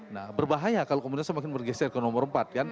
nah berbahaya kalau kemudian semakin mergeser ke nomor empat